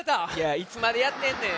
いつまでやってんねん。